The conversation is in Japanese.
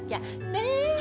ねえ？